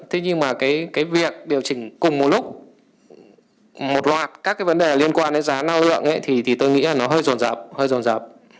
thế nhưng mà cái việc điều chỉnh cùng một lúc một loạt các cái vấn đề liên quan đến giá nao lượng thì tôi nghĩ là nó hơi rồn rập